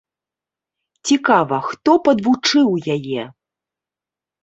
Цікава, хто падвучыў яе?